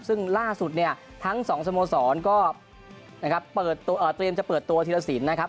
ซึ่งล่าสุดทั้ง๒สโมสรก็เตรียมจะเปิดตัวธีรสินแดงดาศูนย์นะครับ